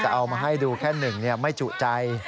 แต่เอามาให้ดูแค่หนึ่งไม่จุใจ